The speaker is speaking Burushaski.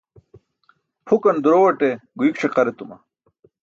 Pʰukan durowaṭe guik ṣiqar etuma.